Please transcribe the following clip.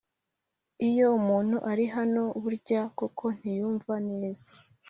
iyo umuntu ari hano , burya koko ntiyumva neza !!...